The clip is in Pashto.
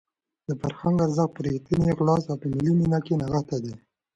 د فرهنګ ارزښت په رښتیني اخلاص او په ملي مینه کې نغښتی دی.